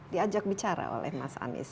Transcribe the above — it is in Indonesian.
diajak bicara oleh mas anies